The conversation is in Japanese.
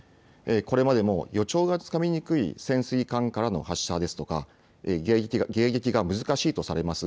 これまでも予兆がつかみにくい潜水艦からの発射ですとか迎撃が難しいとされます